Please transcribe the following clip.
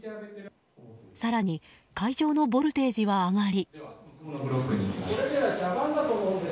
更に会場のボルテージは上がり。